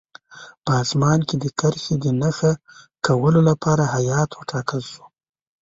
په اسمار کې د کرښې د نښه کولو لپاره هیات وټاکل شو.